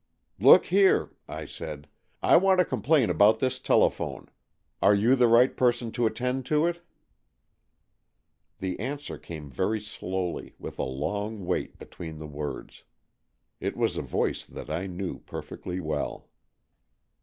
" Look here,*' I said. I want to com AN EXCHANGE OF SOULS 239 plain about this telephone. Are you the right person to attend to it? " The answer came very slowly, with a long wait between the words. It was a voice that I knew perfectly well.